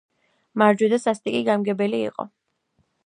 მარჯვე და სასტიკი განმგებელი იყო.